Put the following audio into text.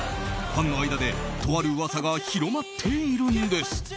ファンの間でとある噂が広まっているんです。